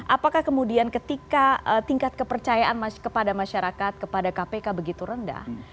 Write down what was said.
apakah kemudian ketika tingkat kepercayaan kepada masyarakat kepada kpk begitu rendah